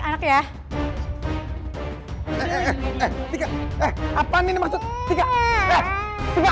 eh eh eh tiga eh apaan ini maksud tiga eh tiga